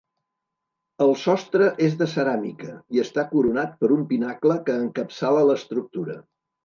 El sostre és de ceràmica i està coronat per un pinacle que encapçala l'estructura.